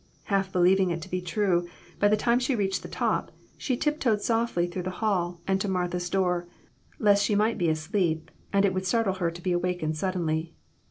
Half believing it to be true, by the time she reached the top, she tiptoed softly through the hall and to Martha's door, lest she might be asleep, and it would startle her to be awakened suddenly.